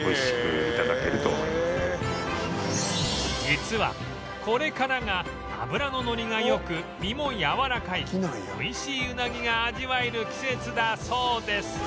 実はこれからが脂ののりがよく身もやわらかい美味しいうなぎが味わえる季節だそうです